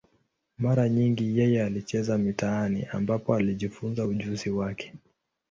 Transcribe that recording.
Mara nyingi yeye alicheza mitaani, ambapo alijifunza ujuzi wake.